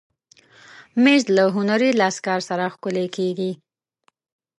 مېز له هنري لاسکار سره ښکلی کېږي.